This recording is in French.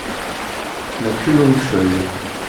La plus longue feuille.